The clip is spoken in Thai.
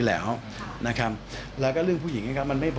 แล้วก็เรื่องผู้หญิงนะครับ